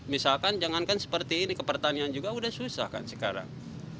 misalkan jangan kan seperti ini ke pertanian juga udah susah kan sekarang